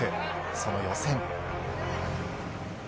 その予選。